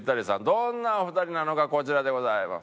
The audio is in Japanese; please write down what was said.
どんなお二人なのかこちらでございます。